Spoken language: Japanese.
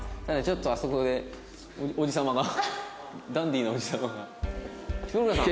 ただちょっとあそこでおじ様がダンディーなおじ様が。